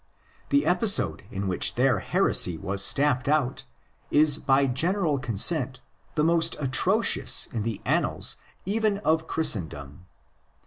The episode in which their heresy was stamped out is by general consent the most atrocious in the annals even of Christendom.